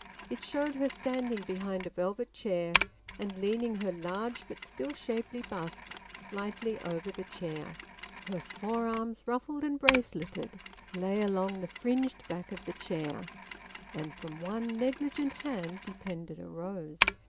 It showed her standing behind a velvet chair and leaning her large but still shapely bust slightly over the chair. Her forearms, ruffled and braceleted, lay along the fringed back of the chair, and from one negligent hand depended a rose.